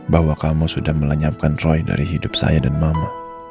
bahwa kamu sudah melenyapkan roy dari hidup saya dan mama